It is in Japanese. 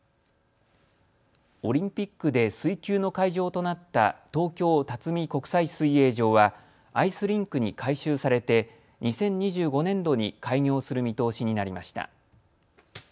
オリンピックで水球の会場となった東京辰巳国際水泳場はアイスリンクに改修されて２０２５年度に開業する見通しになりました。